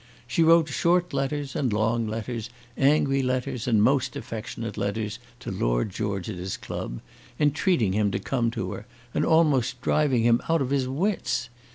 She wrote short letters and long letters, angry letters, and most affectionate letters to Lord George at his club, entreating him to come to her, and almost driving him out of his wits.